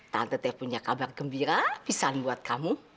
tante teh punya kabar gembira pisang buat kamu